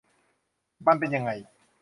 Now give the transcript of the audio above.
มันเป็นยังไง